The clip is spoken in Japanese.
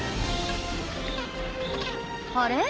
あれ？